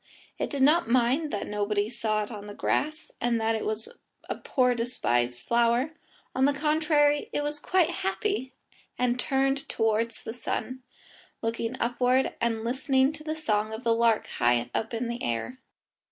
It did not mind that nobody saw it in the grass, and that it was a poor despised flower; on the contrary, it was quite happy, and turned towards the sun, looking upward and listening to the song of the lark high up in the air.